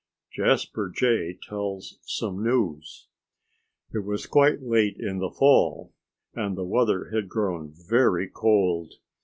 XI JASPER JAY TELLS SOME NEWS It was quite late in the fall, and the weather had grown very cold.